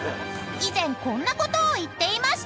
［以前こんなことを言っていました］